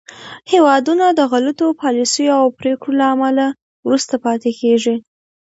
هېوادونه د غلطو پالیسیو او پرېکړو له امله وروسته پاتې کېږي